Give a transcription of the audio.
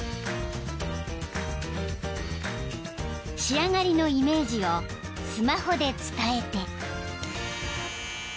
［仕上がりのイメージをスマホで伝えて］